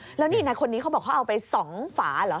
แล้วนี่นายคนนี้เขาบอกเขาเอาไป๒ฝาเหรอ